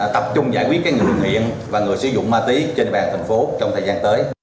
trên địa bàn thành phố trong thời gian tới